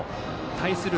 対する